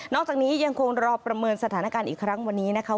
อกจากนี้ยังคงรอประเมินสถานการณ์อีกครั้งวันนี้นะคะ